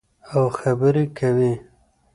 او خبرې کوي.